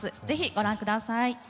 是非ご覧ください。